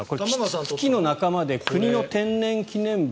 キツツキの仲間で国の天然記念物。